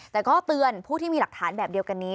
แต่ก็เตือนผู้ที่มีหลักฐานแบบเดียวกันนี้